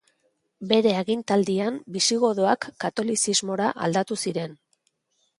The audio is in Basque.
Bere agintaldian bisigodoak katolizismora aldatu ziren.